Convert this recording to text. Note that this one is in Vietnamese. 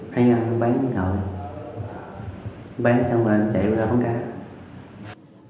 thì em bán rồi bán xong rồi chạy qua bóng cá